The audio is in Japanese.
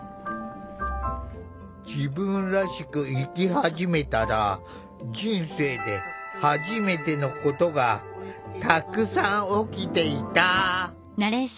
自分らしく生き始めたら人生ではじめてのことがたくさん起きていた！